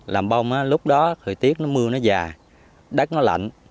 làm bông lúc đó thời tiết nó mưa nó dài đất nó lạnh